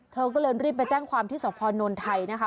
เธอก็เลยรีบไปแจ้งความที่สพนไทยนะคะ